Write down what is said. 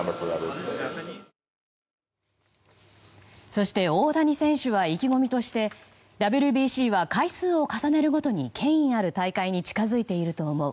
そして大谷選手は意気込みとしてＷＢＣは回数を重ねるごとに権威ある大会に近づいていると思う。